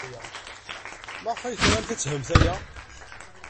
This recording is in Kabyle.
Maɣef ay tramt ad themt aya?